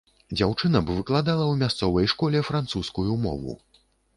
Дзяўчына б выкладала ў мясцовай школе французскую мову.